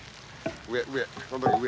上上。